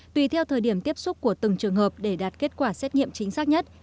tùy theo thời điểm tiếp xúc của từng trường hợp để đạt kết quả xét nghiệm chính xác nhất